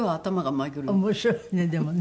面白いわねでもね。